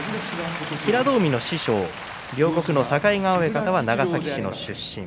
平戸海の師匠両国の境川親方は長崎市の出身。